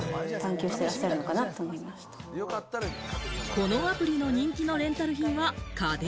このアプリの人気のレンタル品は家電。